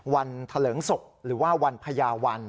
วันทะเลิงศพหรือว่าวันพญาวัน